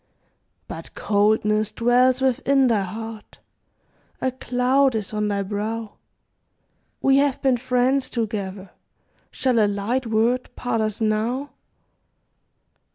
But coldness dwells within thy heart, A cloud is on thy brow; We have been friends together, Shall a light word part us now?